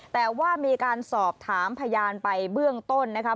แต่ว่ามีการสอบถามพยานไปเบื้องต้นนะคะ